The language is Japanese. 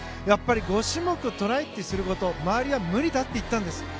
やっぱり５種目トライすること周りは無理だって言ったんです。